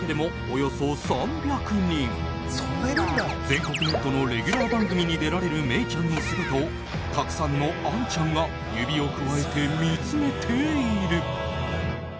全国ネットのレギュラー番組に出られるメイちゃんの姿をたくさんのアンちゃんが指をくわえて見つめている。